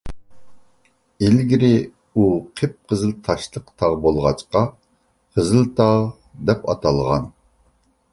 ئىلگىرى ئۇ قىپقىزىل تاشلىق تاغ بولغاچقا، «قىزىلتاغ» دەپ ئاتالغان.